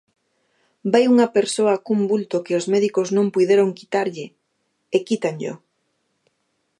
Vai unha persoa cun vulto que os médicos non puideron quitarlle, e quítanllo.